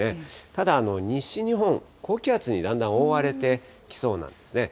ただ、西日本、高気圧にだんだん覆われてきそうなんですね。